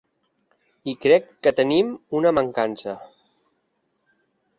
I crec que tenim una mancança.